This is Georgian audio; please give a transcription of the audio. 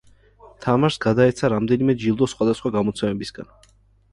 თამაშს გადაეცა რამდენიმე ჯილდო სხვადასხვა გამოცემებისგან.